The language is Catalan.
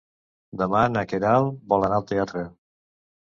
Demà na Queralt vol anar al teatre.